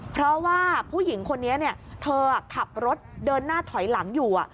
เพราะว่าผู้หญิงคนนี้เธอขับรถเดินหน้าถอยหลังอยู่